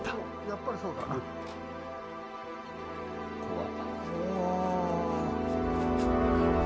やっぱりそうだ。わ。